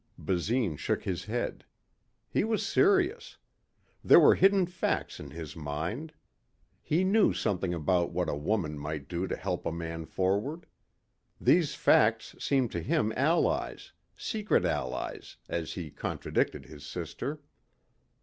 Basine shook his head. He was serious. There were hidden facts in his mind. He knew something about what a woman might do to help a man forward. These facts seemed to him allies secret allies, as he contradicted his sister.